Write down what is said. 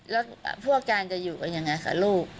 แล้วพวกการจะอยู่กันอย่างไรลูก